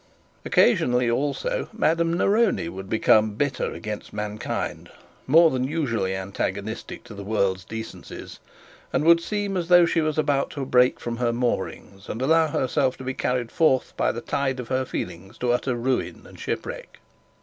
Occasionally also Madame Neroni would become bitter against mankind, more than usually antagonistic to the world's decencies, and would seem as though she was about to break from her moorings and allow herself to be carried forth by the tide of her feelings to utter ruin and shipwreck.